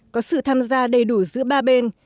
có sự tham gia đầy đủ giữa ba bên